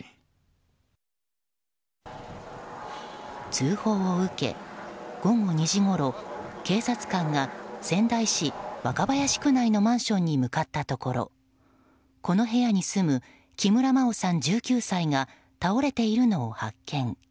通報を受け、午後２時ごろ警察官が、仙台市若林区内のマンションに向かったところこの部屋に住む木村真緒さん、１９歳が倒れているのを発見。